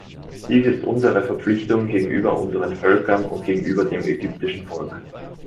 Dies ist unsere Verpflichtung gegenüber unseren Völkern und gegenüber dem ägyptischen Volk.